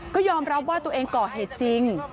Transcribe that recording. ก็ยอมรับว่าตัวเองก่อเหตุจริง